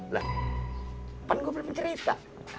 lah kapan gue belum cerita